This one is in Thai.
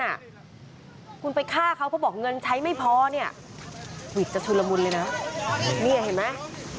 นาก่อนไปฆ่าเค้าก่อนเท่าที่ก็บอกเงินไม่พอ